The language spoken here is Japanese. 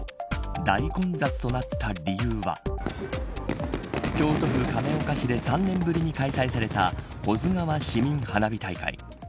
大混雑となった理由は京都府亀岡市で３年ぶりに開催された保津川市民花火大会。